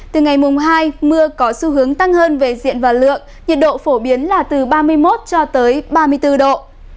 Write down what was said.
từ ngày mùng hai mưa có xu hướng tăng hơn về diện và lượng nhiệt độ phổ biến là từ ba mươi một cho tới ba mươi bốn độ